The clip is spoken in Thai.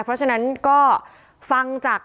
เพราะฉะนั้นก็ฟังจาก